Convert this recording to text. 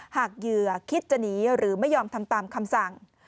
เหยื่อคิดจะหนีหรือไม่ยอมทำตามคำสั่ง